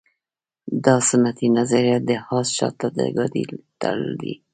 دا سنتي نظریه د اس شاته د ګاډۍ تړل دي.